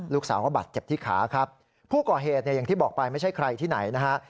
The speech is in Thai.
ลูกสาวก็บาดเจ็บที่ขาครับผู้ก่อเหตุเนี่ยอย่างที่บอกไปไม่ใช่ใครที่ไหนนะฮะ